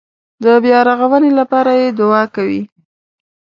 د بیارغونې لپاره یې دعا کوي.